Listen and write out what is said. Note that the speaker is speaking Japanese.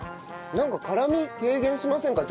なんか辛み軽減しませんか？